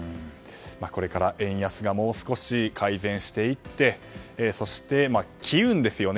これから円安がもう少し改善していってまずは機運ですよね。